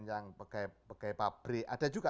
yang pegawai pabrik ada juga